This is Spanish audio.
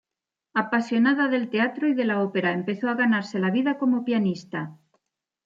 Apasionada del teatro y de la ópera, empezó a ganarse la vida como pianista.